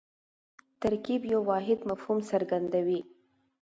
ترکیب یو واحد مفهوم څرګندوي.